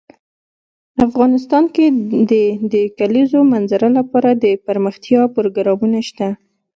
افغانستان کې د د کلیزو منظره لپاره دپرمختیا پروګرامونه شته.